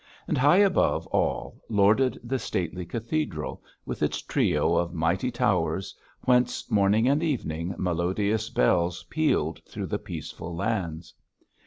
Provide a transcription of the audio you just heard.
And high above all lorded the stately cathedral, with its trio of mighty towers, whence, morning and evening, melodious bells pealed through the peaceful lands.